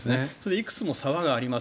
いくつも沢があります。